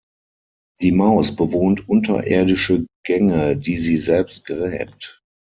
Die Maus bewohnt unterirdische Gänge, die sie selbst gräbt.